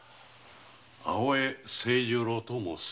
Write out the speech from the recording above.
青江清十郎と申す。